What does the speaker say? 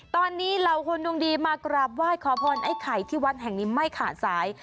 ตอนนี้เหล่าคนดวงดีมากราบไหว้ขอพรไอ้ไข่ที่วัดแห่งนี้ไม่ขาดสาย